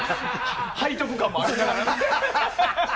背徳感もありながら。